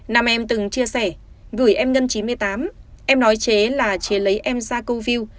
nam em từng chia sẻ gửi em ngân chín mươi tám em nói chế là chế lấy em ra câu view